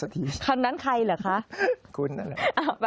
ทำนั้นใครหรอคะ